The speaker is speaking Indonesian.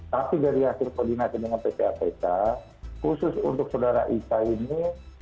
tapi dari hasil koordinasi dengan ppa pk khusus untuk saudara isha ini